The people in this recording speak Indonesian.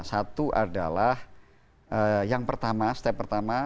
satu adalah yang pertama step pertama